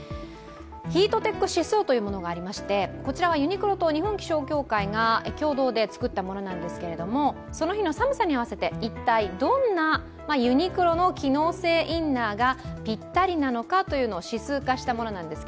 ヒートテック指数というものがありまして、ユニクロと日本気象協会が共同で作ったものなんですがその日の寒さに合わせて一体、どんなユニクロの機能性インナーがぴったりなのかというのを指数化したものです。